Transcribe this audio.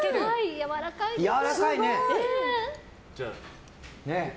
やわらかいね。